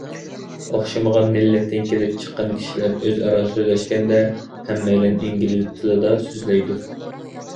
ئوخشىمىغان مىللەتتىن كېلىپ چىققان كىشىلەر ئۆزئارا سۆزلەشكەندە، ھەممەيلەن ئىنگلىز تىلىدا سۆزلەيدۇ.